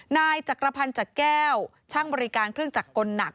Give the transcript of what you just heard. นายจักรพันธ์จากแก้วช่างบริการเครื่องจักรกลหนัก